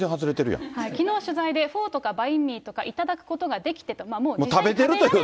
きのう、取材で、フォーとかバインミーとか、頂くことができてと、もう実際食べられて。